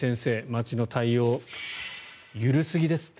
町の対応、緩すぎです。